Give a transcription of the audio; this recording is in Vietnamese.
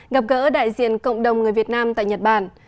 gặp gỡ đại diện cộng đồng người việt nam tại nhật bản